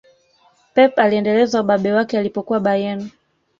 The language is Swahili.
pep aliendeleza ubabe wake alipokuwa bayern